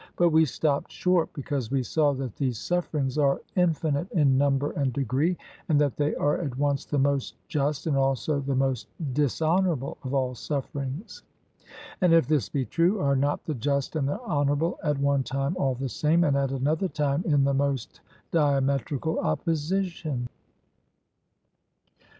But we stopped short, because we saw that these sufferings are infinite in number and degree, and that they are, at once, the most just and also the most dishonourable of all sufferings. And if this be true, are not the just and the honourable at one time all the same, and at another time in the most diametrical opposition?